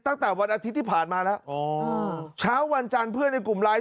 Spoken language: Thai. ตั้งแต่วันอาทิตย์ที่ผ่านมาแล้วอ๋อเช้าวันจันทร์เพื่อนในกลุ่มไลน์